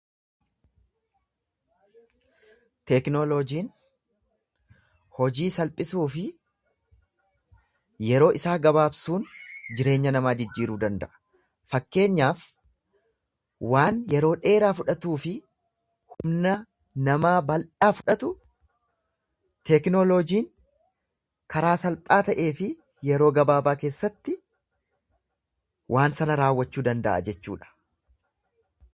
Tekinooloojiin hojii salphisuu fi yeroo isaa gabaabsuun jireenya namaa jijjiiruu danda'a. Fakkeenyaaf waan yeroo dheeraa fudhatuu fi humna namaa bal'aa fudhatu tekinooloojiin karaa salphaa ta'ee fi yeroo gabaabaa keessatti waan sana raawwachuu danda'a jechuudha.